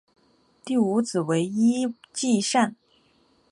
第五子为尹继善。